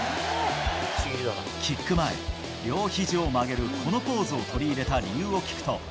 キック前、両ひじを曲げるこのポーズを取り入れた理由を聞くと。